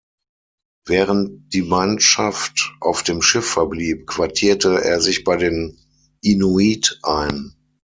Während die Mannschaft auf dem Schiff verblieb, quartierte er sich bei den Inuit ein.